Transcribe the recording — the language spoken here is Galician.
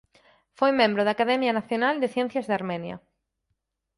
Foi membro da Academia Nacional de Ciencias de Armenia.